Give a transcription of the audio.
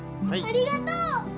ありがとう！